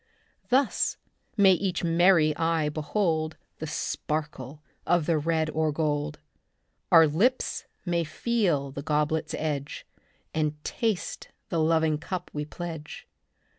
Thus may each merry eye behold The sparkle of the red or gold. Our lips may feel the goblet's edge And taste the loving cup we pledge.